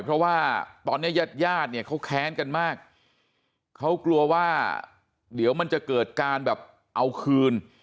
เพราะว่าตอนนี้ญาติญาติเนี่ยเขาแค้นกันมากเขากลัวว่าเดี๋ยวมันจะเกิดการแบบเอาคืน